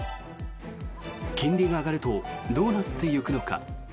金利が上がるとどうなっていくのか。